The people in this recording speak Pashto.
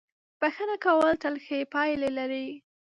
• بښنه کول تل ښې پایلې لري.